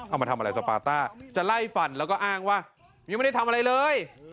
เอามาทำอะไรสปาต้าจะไล่ฟันแล้วก็อ้างว่ายังไม่ได้ทำอะไรเลย